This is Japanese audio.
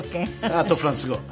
あとフランス語。